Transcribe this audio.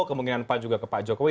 kemungkinan pan juga ke pak jokowi